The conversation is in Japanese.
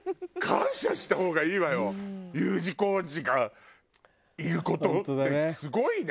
Ｕ字工事がいる事ってすごいね！